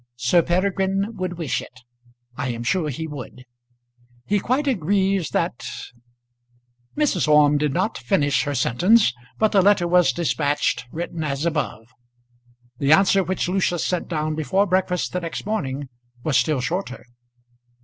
"Sir Peregrine would wish it. I am sure he would. He quite agrees that " Mrs. Orme did not finish her sentence, but the letter was despatched, written as above. The answer which Lucius sent down before breakfast the next morning was still shorter.